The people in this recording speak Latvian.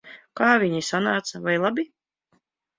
Kā viņai sanāca? Vai labi?